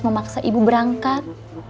harus memaksa ibu berangkat